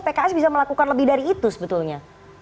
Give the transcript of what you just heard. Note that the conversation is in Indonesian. pks bisa melakukan lebih dari itu sebetulnya